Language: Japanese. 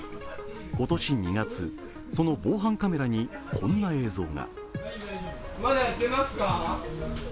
今年２月、その防犯カメラにこんな映像が。